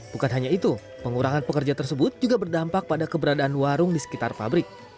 bukan hanya itu pengurangan pekerja tersebut juga berdampak pada keberadaan warung di sekitar pabrik